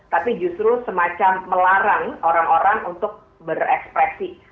tapi justru semacam melarang orang orang untuk berekspresi